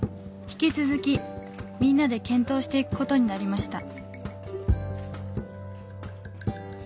引き続きみんなで検討していく事になりました。